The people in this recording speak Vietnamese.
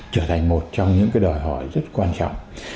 trở thành một trong những cái đòi hỏi rất quan trọng